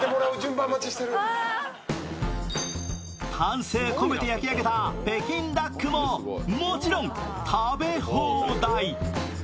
丹精込めて焼き上げた北京ダックももちろん食べ放題。